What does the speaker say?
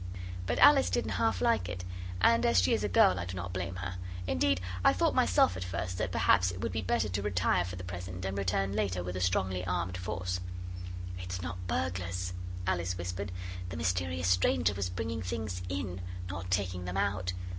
But Alice didn't half like it and as she is a girl I do not blame her. Indeed, I thought myself at first that perhaps it would be better to retire for the present, and return later with a strongly armed force. 'It's not burglars,' Alice whispered; 'the mysterious stranger was bringing things in, not taking them out.